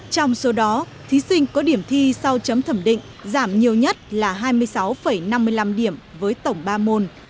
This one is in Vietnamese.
trong số đó thí sinh có điểm thi sau chấm thẩm định giảm nhiều nhất là hai mươi sáu năm mươi năm điểm với tổng ba môn